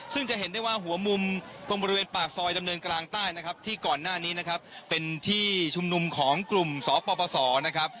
ซึ่งจะเห็นได้ว่าหัวมุมตรงบริเวณปากซอยดำเนินกลางใต้นะครับที่ก่อนหน้านี้นะครับเป็นที่ชุมนุมของกลุ่มสปสนะครับ